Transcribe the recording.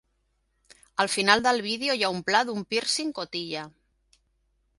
Al final del vídeo hi ha un pla d'un pírcing cotilla.